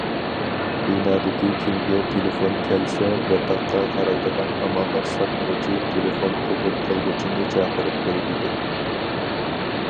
بىنادىكى كىمگە تېلېفون كەلسە، ياتاققا قارايدىغان ئامانلىق ساقلىغۇچى تېلېفون قوبۇل قىلغۇچىنى چاقىرىپ قويىدىكەن.